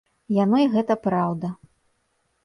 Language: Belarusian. Яно й гэта праўда.